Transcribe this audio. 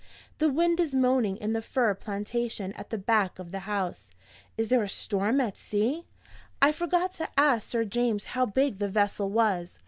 The wind is moaning in the fir plantation at the back of the house. Is there a storm at sea? I forgot to ask Sir James how big the vessel was.